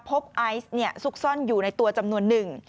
ไอซ์ซุกซ่อนอยู่ในตัวจำนวนหนึ่ง